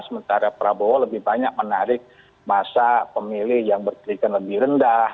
sementara prabowo lebih banyak menarik masa pemilih yang berkelikan lebih rendah